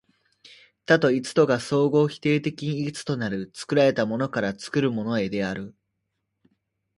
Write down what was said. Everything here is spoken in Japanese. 多と一とが相互否定的に一となる、作られたものから作るものへである。